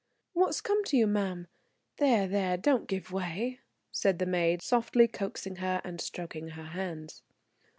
"What's come to you, ma'am? There, there, don't give way," said the maid, softly coaxing her and stroking her hands.